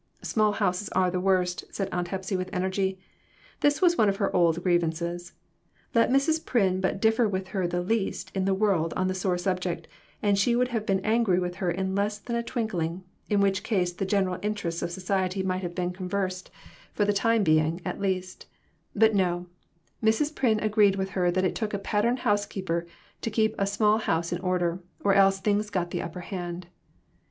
" Small houses are the worst," said Aunt Hepsy with energy. This was one of her old grievances. Let Mrs. Pryn but differ with her the least in the world on the sore subject, and she would have been angry with her in less than a twinkling, in which case the general interests of society might 144 MORAL EVOLUTION. have been conversed, for the time being, at least ; but no, Mrs. Pryn agreed with her that it took a pattern housekeeper to keep a small house in order ; or else things got the upper hand.